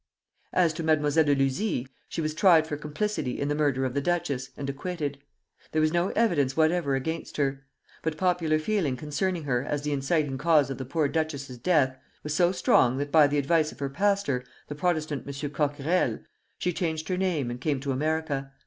As to Mademoiselle de Luzy, she was tried for complicity in the murder of the duchess, and acquitted. There was no evidence whatever against her. But popular feeling concerning her as the inciting cause of the poor duchess's death was so strong that by the advice of her pastor the Protestant M. Coquerel she changed her name and came to America.